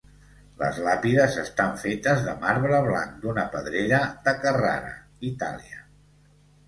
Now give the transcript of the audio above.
Les làpides estan fetes de marbre blanc d'una pedrera de Carrara, Itàlia.